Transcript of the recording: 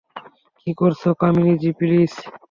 কি করছো কামিনী জি, প্লিজ।